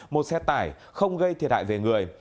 một xe tải không gây thiệt hại về người